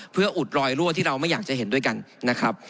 เพื่ออุดรอยรั่วที่เราไม่อยากจะเห็นด้วยกันนะครับ